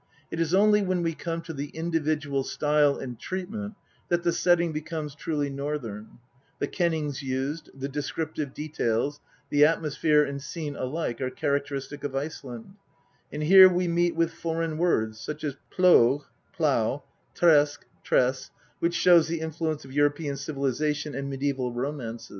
It is only when we come to the individual style and treatment that the setting becomes truly Northern: the kennings used, the descriptive details, the atmosphere and scene alike are characteristic of Iceland ; and here we meet with foreign words such as plug, plough ; tresc, tress ; which show the influence of European civilisation and mediaeval romance.